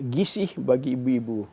gisih bagi ibu ibu